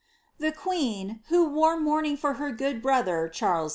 ^ The queen, who wore mourning for her good brother, Cliarles IX.